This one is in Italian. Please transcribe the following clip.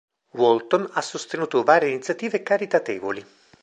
Walton ha sostenuto varie iniziative caritatevoli.